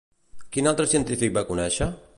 Quin altre científic va conèixer?